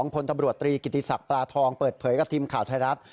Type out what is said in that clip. พลตำรวจตรีกิติศักดิ์ปลาทองเปิดเผยกับทีมข่าวไทยรัฐ